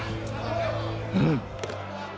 うん！